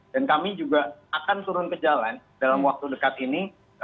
dan kami juga akan turun ke jalan dalam waktu dekat ini